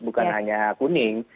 bukan hanya kuning